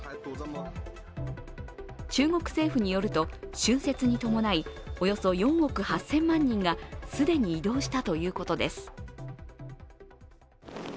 中国政府によると、春節に伴いおよそ４億８０００万人が既に移動したということです。